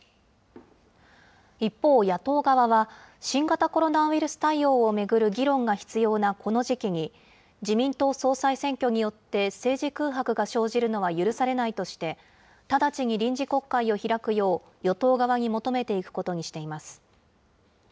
一方、野党側は新型コロナウイルス対応を巡る議論が必要なこの時期に、自民党総裁選挙によって政治空白が生じるのは許されないとして、直ちに臨時国会を開くよう、与党側に求めていくことにしています。